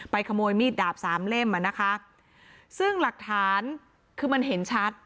ขโมยมีดดาบสามเล่มอ่ะนะคะซึ่งหลักฐานคือมันเห็นชัด